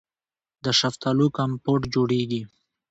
د شفتالو کمپوټ جوړیږي.